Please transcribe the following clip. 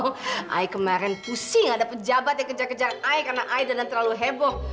saya kemarin pusing ada pejabat yang kejar kejar saya karena saya dandan terlalu heboh